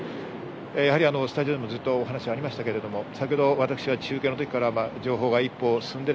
やはりスタジオでもずっと話がありましたが、私は中継の時から情報が一歩進んで。